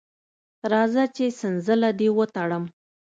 راځه چې څنځله دې وتړم.